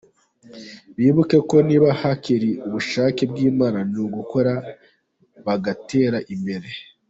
Bibuke ko niba hakiri ubushake bw’Imana ni ugukora bagatera imbere.